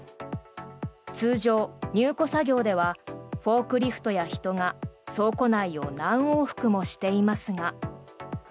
通常、入庫作業ではフォークリフトや人が倉庫内を何往復もしていますが。